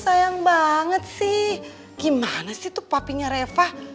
sayang banget sih gimana sih tuh papinya reva